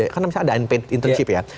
karena misalnya ada internship ya